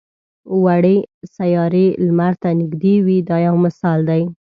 وړې سیارې لمر ته نږدې وي دا یو مثال دی.